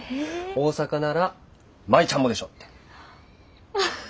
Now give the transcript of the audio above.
大阪なら舞ちゃんもでしょって。